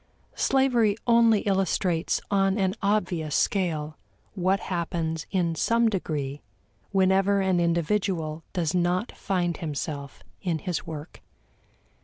Slavery only illustrates on an obvious scale what happens in some degree whenever an individual does not find himself in his work.